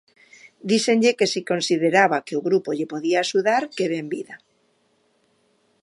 Díxenlle que se consideraba que o grupo lle podía axudar que benvida.